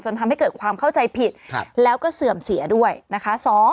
ทำให้เกิดความเข้าใจผิดแล้วก็เสื่อมเสียด้วยนะคะ